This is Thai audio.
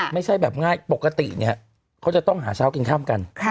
ไม่ใช่แบบง่ายปกติเนี่ยเขาจะต้องหาเช้ากินข้ามกัน